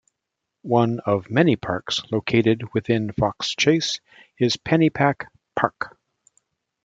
One of many parks located within Fox Chase is Pennypack Park.